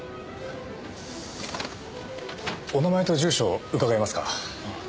お名前と住所を伺えますか？